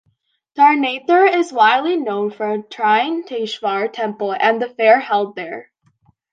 Tarnetar is widely known for Trinetreshwar Temple, and the fair held here.